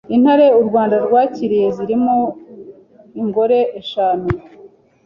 Intare u Rwanda rwakiriye zirimo ingore eshanu